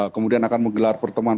kemudian akan menggelar pertemanan